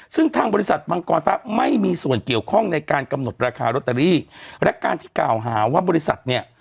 ซึ่งทางบริษัทมังกรฟ้าไม่มีส่วนเกี่ยวข้องในการกำหนดราคาโรตเตอรี่และการที่กล่าวหาว่าบริษัทเนี่ย